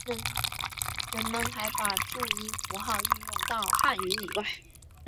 人们还把注音符号运用到汉语以外。